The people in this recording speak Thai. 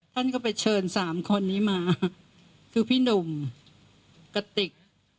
ท่านก็ไปเชิญสามคนนี้มาคือพี่หนุ่มกติก